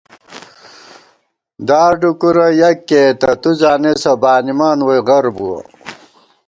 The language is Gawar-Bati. دار ڈُکُورہ یَک کېئېتہ، تُو زانېسہ بانِمان ووئی غر بُوَہ